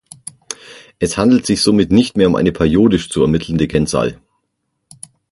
Es handelt sich somit nicht mehr um eine periodisch zu ermittelnde Kennzahl.